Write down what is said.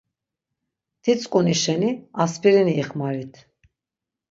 Titzǩuni şeni Aspirini ixmarit.